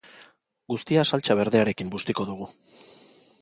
Guztia saltsa berdearekin bustiko dugu.